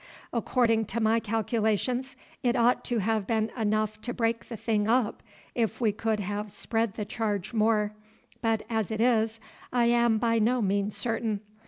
According to my calculations it ought to have been enough to break the thing up, if we could have spread the charge more. But, as it is, I am by no means certain.